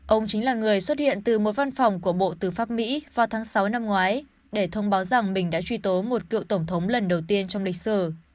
ông chính là người xuất hiện từ một văn phòng của bộ tư pháp mỹ vào tháng sáu năm ngoái để thông báo rằng mình đã truy tố một cựu tổng thống lần đầu tiên trong lịch sử